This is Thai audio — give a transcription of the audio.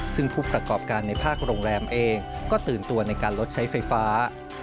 ซึ่งผู้ประกอบการในภาคโรงแรมเองก็ตื่นตัวในการลดใช้ไฟฟ้า